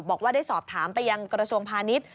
บอกว่าได้สอบถามไปยังกระทรวงพาณิชย์